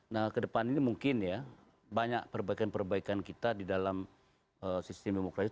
nah ke depan ini mungkin ya banyak perbaikan perbaikan kita di dalam sistem demokrasi